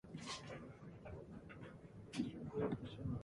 宮城県利府町